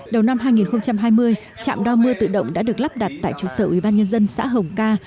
đầu năm hai nghìn hai mươi trạm đo mưa tự động đã được lắp đặt tại trụ sở ubnd xã hồng ca